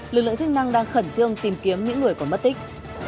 lực lượng chức năng đang khẩn trương tìm kiếm những người còn mất tích